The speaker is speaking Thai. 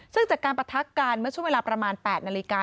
ซึ่งจากการประทักกันเมื่อช่วงเวลาประมาณ๘นาฬิกา